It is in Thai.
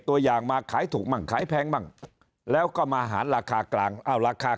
ตัวอย่างมาขายถูกมั่งขายแพงมั่งแล้วก็มาหารราคากลางเอาราคา